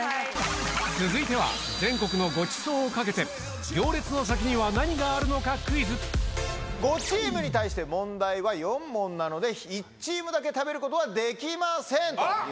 続いては全国のごちそうをかけて５チームに対して問題は４問なので１チームだけ食べることはできません。